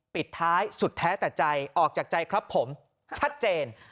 ปิดท้ายสุดแท้แต่ใจออกจากใจครับผมชัดเจน